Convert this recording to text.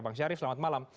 bang syarif selamat malam